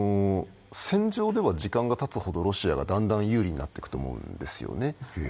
戦場では時間がたつほど、ロシアがだんだん有利になると思うんですよね。